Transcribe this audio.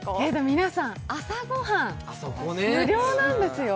皆さん、朝ご飯無料なんですよ。